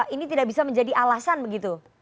ini tidak bisa menjadi alasan begitu